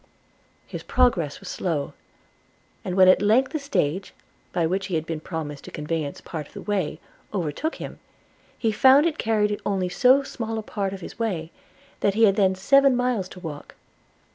His progress was slow; and when at length the stage, by which he had been promised a conveyance part of the way, overtook him, he found it carried only so small a part of his way that he had then seven miles to walk.